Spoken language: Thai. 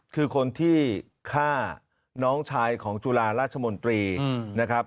คือคนที่ฆ่าน้องชายของจุฬาราชมนตรีนะครับ